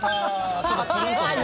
「ちょっとつるんとした」